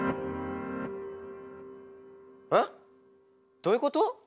どういうこと？